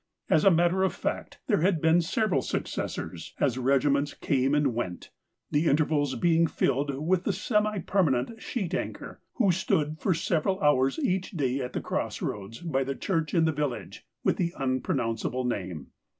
As a matter of fact, there had been several successors, as regiments came and went, the intervals being filled with the semi permanent sheet anchor who stood for several hours each day at the cross roads by the church in the village with the un pronounceable name.